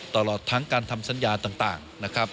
ตลอดทั้งการทำสัญญาต่างนะครับ